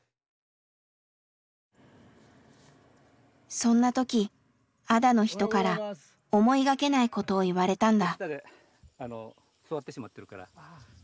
そんな時安田の人から思いがけないことを言われたんだ。